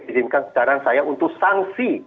izinkan sekarang saya untuk sanksi